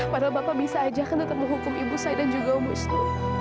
padahal bapak bisa saja kan tetap menghukum ibu saya dan juga om wisnu